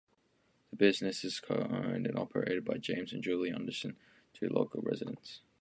The business is co-owned and operated by James and Julie Anderson, two local residents.